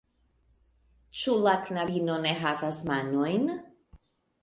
Ĉu la knabino ne havas manojn?